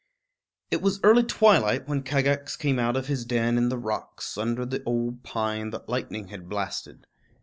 It was early twilight when Kagax came out of his den in the rocks, under the old pine that lightning had blasted.